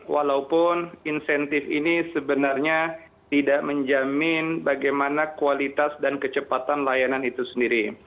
walaupun insentif ini sebenarnya tidak menjamin bagaimana kualitas dan kecepatan layanan itu sendiri